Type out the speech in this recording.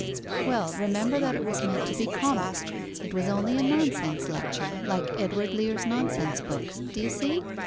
"Well, remember that it was meant to be comic. It was only a nonsense lecture, like Edward Lear's nonsense books. Do you see?